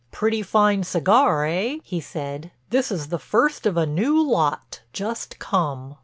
"Pretty fine cigar, eh?" he said. "This is the first of a new lot, just come."